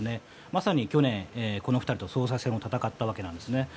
まさに去年、この２人総裁選を戦ったわけですね。